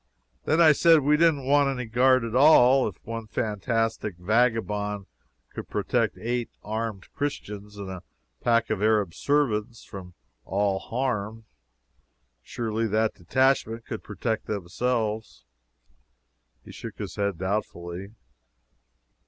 Then I said we didn't want any guard at all. If one fantastic vagabond could protect eight armed Christians and a pack of Arab servants from all harm, surely that detachment could protect themselves. He shook his head doubtfully.